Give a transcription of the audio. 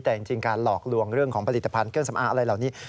แต่จริงการหลอกลวงเรื่องของผลิตภัณฑ์เครื่องสำอางอะไรเหล่านี้